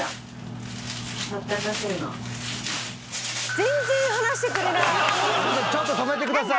全然話してくれない。